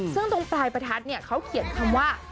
ซึ่งตรงปลายประทัดเนี่ยเขาเขียนคำว่า